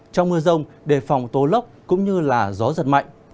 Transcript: trong mưa rông đề phòng tô lốc cũng như là gió giật mạnh